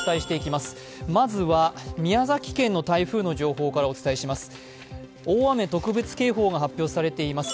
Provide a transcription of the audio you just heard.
まずは、宮崎県の台風の情報からお伝えします。